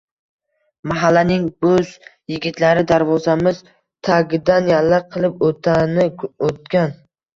Mahallaning boʼz yigitlari darvozamiz tagidan yalla qilib oʼttani-oʼtgan.